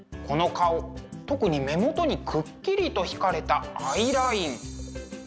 特に目元にくっきりと引かれたアイライン。